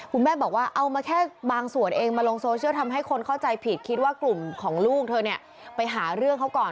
คุณแม่บอกว่าเอามาแค่บางส่วนเองมาลงโซเชียลทำให้คนเข้าใจผิดคิดว่ากลุ่มของลูกเธอเนี่ยไปหาเรื่องเขาก่อน